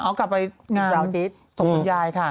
เอากลับไปงาน